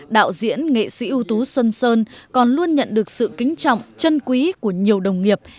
đạo diễn nghệ sĩ ưu tú xuân sơn còn luôn nhận được sự kính trọng chân quý của nhiều đồng nghiệp